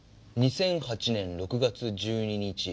２００８年６月１２日。